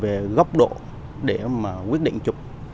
về góc độ để mà quyết định chụp